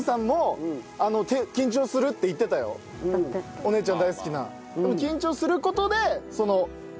お姉ちゃん大好きな。